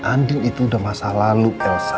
andil itu udah masa lalu elsa